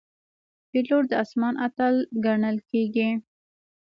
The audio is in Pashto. پیلوټ د آسمان اتل ګڼل کېږي.